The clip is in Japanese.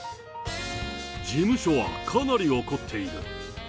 事務所はかなり怒っている。